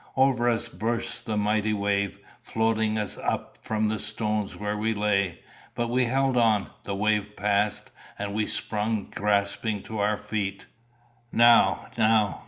Over us burst the mighty wave, floating us up from the stones where we lay. But we held on, the wave passed, and we sprung gasping to our feet. "Now, now!"